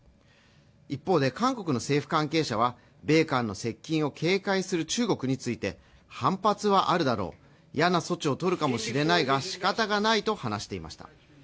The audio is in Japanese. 一方で韓国の政府関係者は米韓の接近を警戒する中国について反発はあるだろう、嫌な措置をとるかもしれないがしかたがないと話していました。